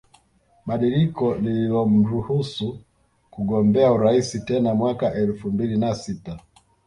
Badiliko lililomruhusu kugombea urais tena mwaka elfu mbili na sita